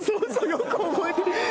よく覚えてる。